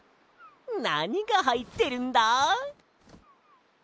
なにがはいってるんだ？